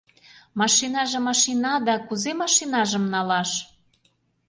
— Машинаже машина да, кузе машинажым налаш?